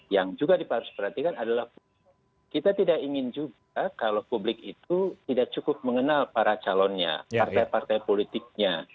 yang juga diperhatikan adalah kita tidak ingin juga kalau publik itu tidak cukup mengenal para calonnya partai partai politiknya